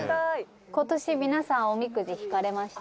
「今年皆さんおみくじ引かれました？」